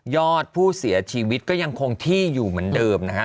อดผู้เสียชีวิตก็ยังคงที่อยู่เหมือนเดิมนะฮะ